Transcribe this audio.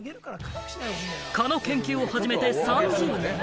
蚊の研究を始めて３０年。